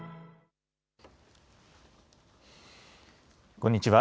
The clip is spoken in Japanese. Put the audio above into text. こんにちは。